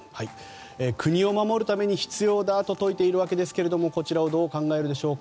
国を守るために必要だと説いているわけですがこちらをどう考えるでしょうか。